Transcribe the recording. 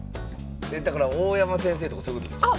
だから大山先生とかそういうことですか？